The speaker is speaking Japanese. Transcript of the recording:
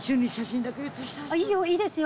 いいよ、いいですよ。